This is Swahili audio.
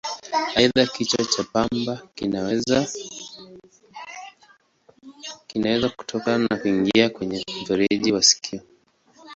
Aidha, kichwa cha pamba kinaweza kutoka na kuingia kwenye mfereji wa sikio.